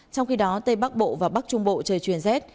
trong khi đó tây bắc bộ và bắc trung bộ trời chuyển rét